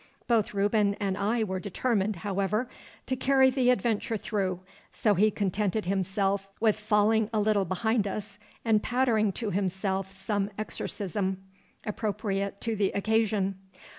Both Reuben and I were determined, however, to carry the adventure through, so he contented himself with falling a little behind us, and pattering to himself some exorcism appropriate to the occasion.